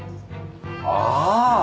ああ！